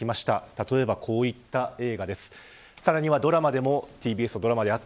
例えばこういった映画です。